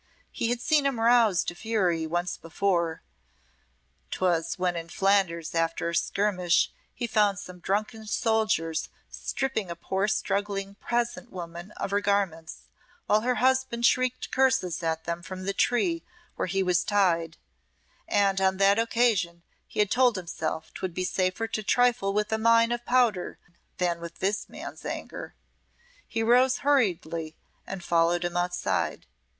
He had seen him roused to fury once before ('twas when in Flanders after a skirmish he found some drunken soldiers stripping a poor struggling peasant woman of her garments, while her husband shrieked curses at them from the tree where he was tied) and on that occasion he had told himself 'twould be safer to trifle with a mine of powder than with this man's anger. He rose hurriedly and followed him outside.